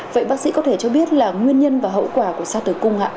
vậy bác sĩ có thể cho biết là nguyên nhân và hậu quả của sa tử cung ạ